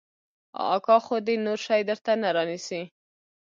اکا خو دې نور شى درته نه رانيسي.